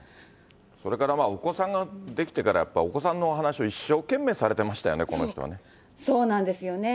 それからまあ、お子さんができてから、お子さんのお話を一生懸命されてましたよね、そうなんですよね。